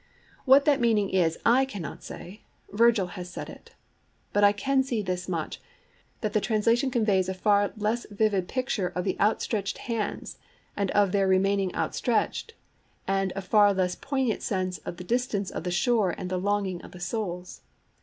What that meaning is I cannot say: Virgil has said it. But I can see this much, that the translation conveys a far less vivid picture of the outstretched hands and of their remaining outstretched, and a far less poignant sense of the distance of the shore and the longing of the souls.